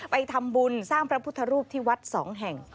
ไปทำบุญสร้างพระพุทธรูปที่วัดสองแห่ง